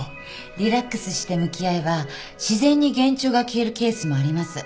リラックスして向き合えば自然に幻聴が消えるケースもあります。